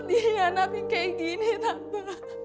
gue dikhianati kayak gini tante